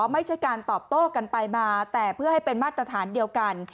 ไม่ใช่การตอบโต้กันไปมาแต่เพื่อให้เป็นมาตรฐานเดียวกัน